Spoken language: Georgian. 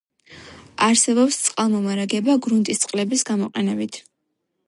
არსებობს წყალმომარაგება გრუნტის წყლების გამოყენებით.